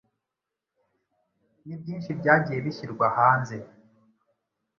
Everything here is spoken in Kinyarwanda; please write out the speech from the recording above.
ni byinshi byagiye bishyirwa hanze